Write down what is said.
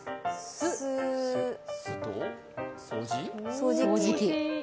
掃除機。